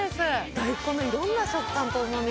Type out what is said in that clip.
大根のいろんな食感とうま味。